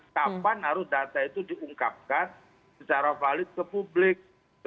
kapan harus data itu diungkapkan secara valid ke publik